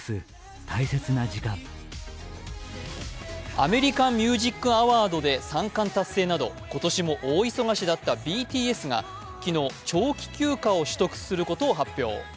アメリカン・ミュージック・アワードで３冠達成など今年も大忙しだったＢＴＳが昨日長期休暇を取得することを発表。